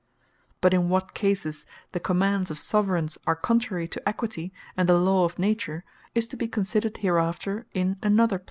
But in what cases the Commands of Soveraigns are contrary to Equity, and the Law of Nature, is to be considered hereafter in another place.